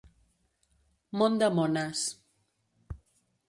Món de mones.